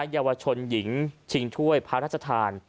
เยาวชนหญิงชิงถ้วยพระราชทาน